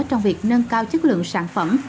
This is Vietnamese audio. trong việc nâng cao chất lượng sản phẩm